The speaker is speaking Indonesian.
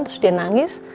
terus dia nangis